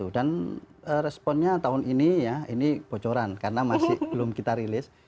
dan responnya tahun ini ya ini bocoran karena masih belum kita rilis